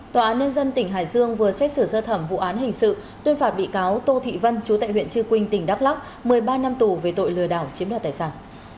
tòa án nhân dân tỉnh hải dương vừa xét xử sơ thẩm vụ án hình sự tuyên phạt bị cáo tô thị vân chú tại huyện trư quynh tỉnh đắk lắc một mươi ba năm tù về tội lừa đảo chiếm đoạt tài sản